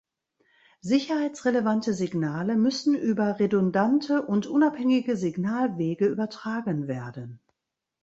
Sicherheitsrelevante Signale müssen über redundante und unabhängige Signalwege übertragen werden.